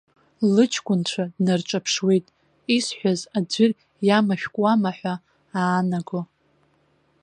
Лычқәынцәа днарҿаԥшуеит исҳәаз аӡәыр иамашәкуама ҳәа аанаго.